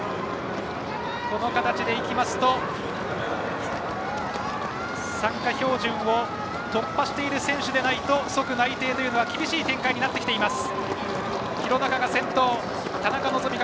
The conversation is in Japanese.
この形でいきますと参加標準を突破している選手でないと即内定というのは厳しい展開になってきています。